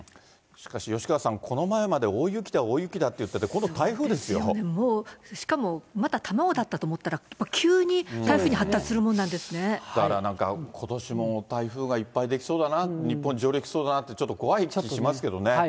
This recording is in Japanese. しかし、吉川さん、この前まで大雪だ大雪だって言ってて、今度、そうですよね、もう、しかもまだ卵だったと思ったら、急に台風に発達するもだからなんか、ことしも台風がいっぱいできそうだな、日本に上陸しそうだなって、ちょっと怖い気しますけどね。